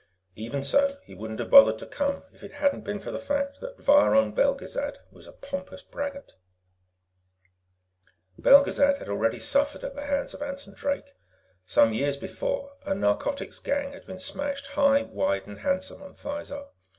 Even so, he wouldn't have bothered to come if it had not been for the fact that Viron Belgezad was a pompous braggart. Belgezad had already suffered at the hands of Anson Drake. Some years before, a narcotics gang had been smashed high, wide, and handsome on Thizar.